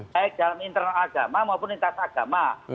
baik dalam internal agama maupun lintas agama